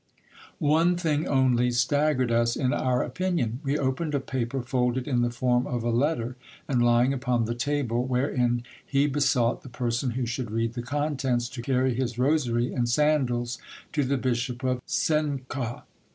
One thing only staggered us in our opinion. We opened a paper folded in the form of a letter, and lying upon the table, wherein he besought the person who should read the contents, to carry his rosary and sandals to the bishop of Cuenca.